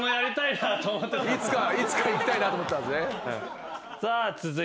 いつかいきたいなと思ってたんですね。